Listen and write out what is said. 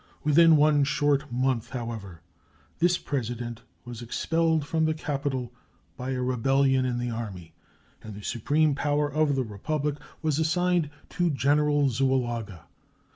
Within one short month, however, this President was expelled from the capital by a rebellion in the army, and the supreme power of the Republic was assigned to General Zuloaga.